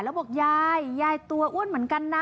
แล้วบอกยายยายตัวอ้วนเหมือนกันนะ